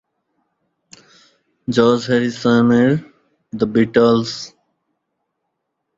তাদের যন্ত্র এবং সমর্থিত দল নিয়ে ছুটির দিনে ব্যান্ডটি রেকর্ড করা হয়েছিল।